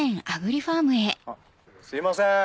あっすいません。